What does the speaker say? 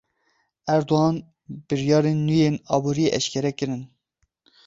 Erdogan biryarên nû yên aboriyê eşkere kirin.